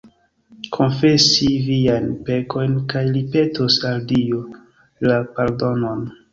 Konfesi viajn pekojn kaj li petos al Dio la pardonon